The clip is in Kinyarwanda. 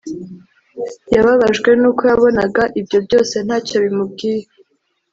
yababajwe nuko yabonaga ibyo byose ntacyo bimubwiye